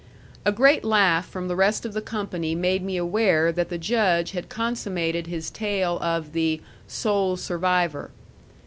A great laugh from the rest of the company made me aware that the Judge had consummated his tale of the "Sole Survivor."